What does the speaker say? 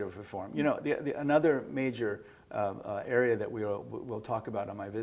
mereka juga akan menjadi